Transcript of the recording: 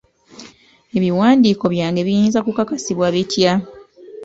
Ebiwandiiko byange biyinza kukakasibwa bitya?